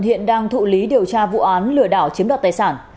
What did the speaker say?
hiện đang thụ lý điều tra vụ án lừa đảo chiếm đoạt tài sản